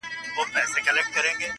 یا خو غښتلی یا بې اثر یې٫